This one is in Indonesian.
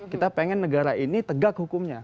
kita pengen negara ini tegak hukumnya